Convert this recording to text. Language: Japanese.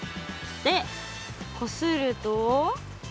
でこすると。